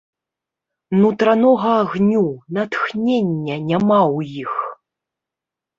Нутранога агню, натхнення няма ў іх.